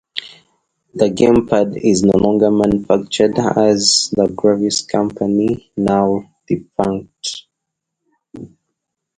The gamepad is no longer manufactured, as the Gravis company is now defunct.